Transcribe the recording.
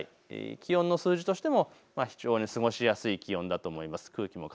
気温の数字としても非常に過ごしやすい気温だと思います。